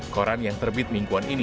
koran yang terbit mingguan ini